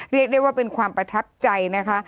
เรียกได้ว่าเป็นความประทับใจนะคะ